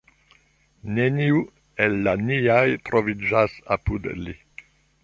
Neniu el la niaj troviĝas apud li.